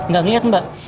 gak ngeliat mbak